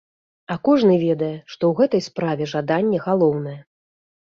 А кожны ведае, што ў гэтай справе жаданне галоўнае.